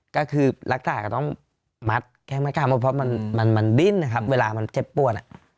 ก็คือรักษาก็ต้องมัดแก้ไม่กล้าเพราะมันดิ้นนะครับเวลามันเจ็บปวด